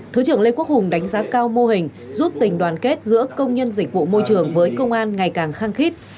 thứ trưởng lê quốc hùng đánh giá cao mô hình giúp tình đoàn kết giữa công nhân dịch vụ môi trường với công an ngày càng khăng khít